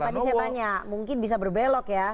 tadi saya tanya mungkin bisa berbelok ya